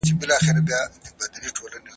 د اجناسو او خدماتو توليد اوس هم زياتېږي.